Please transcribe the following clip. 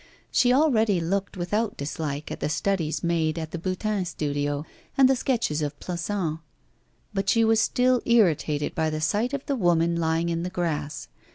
She already looked without dislike at the studies made at the Boutin studio and the sketches of Plassans, but she was still irritated by the sight of the woman lying in the grass.